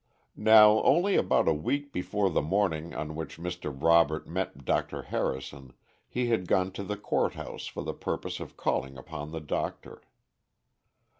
Now only about a week before the morning on which Mr. Robert met Dr. Harrison, he had gone to the Court House for the purpose of calling upon the doctor.